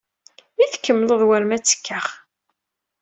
I tkemmleḍ war ma ttekkaɣ?